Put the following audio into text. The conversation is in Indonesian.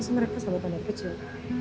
sendiri kes ada tanda kecil